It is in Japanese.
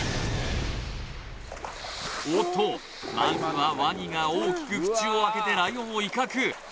おっとまずはワニが大きく口を開けてライオンを威嚇